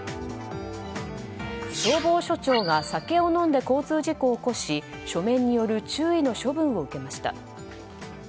消防署長が酒を飲んで交通事故を起こし書面による注意の処分を受けました。